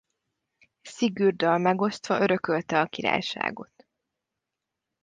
Sigurddal megosztva örökölte a királyságot.